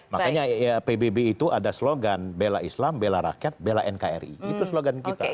makanya pbb itu ada slogan bela islam bela rakyat bela nkri itu slogan kita